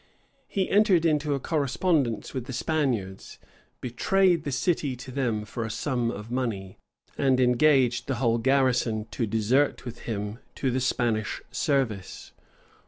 He entered into a correspondence with the Spaniards, betrayed the city to them for a sum of money, and engaged the whole garrison to desert with him to the Spanish service.